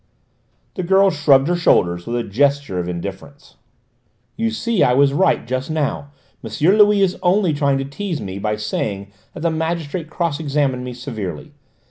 The girl shrugged her shoulders with a gesture of indifference. "You see I was right just now: M. Louis is only trying to tease me by saying that the magistrate cross examined me severely.